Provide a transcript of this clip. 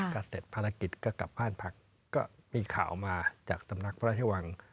ก็เสร็จภารกิจก็กลับบ้านพักก็มีข่าวมาจากสำนักพระราชวัง